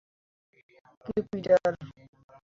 কিন্তু, পিটার।